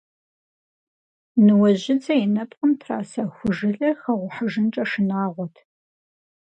Ныуэжьыдзэ и нэпкъым траса ху жылэр хэгъухьыжынкӏэ шынагъуэт.